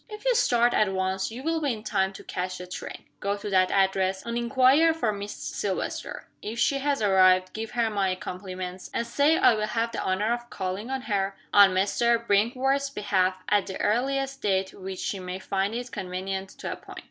"If you start at once you will be in time to catch the train. Go to that address, and inquire for Miss Silvester. If she has arrived, give her my compliments, and say I will have the honor of calling on her (on Mr. Brinkworth's behalf) at the earliest date which she may find it convenient to appoint.